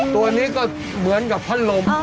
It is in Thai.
ตัวนี้ก็เหมือนกับพัดลม